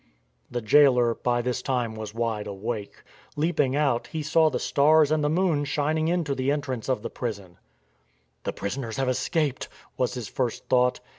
The jailer by this time was wide awake. Leaping out, he saw the stars and the moon shining into the entrance of the prison. " The prisoners have escaped," was his first thought.